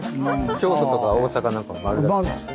京都とか大阪なんかも丸ですね。